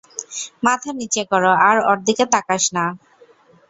মাথা নীচে কর, আর ওর দিকে তাকাস না।